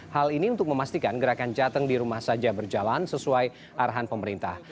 hal ini untuk memastikan gerakan jateng di rumah saja berjalan sesuai arahan pemerintah